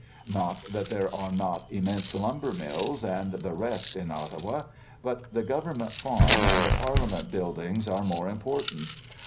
Not that there are not immense lumber mills and the rest in Ottawa. But the Government farm, and the Parliament buildings, are more important.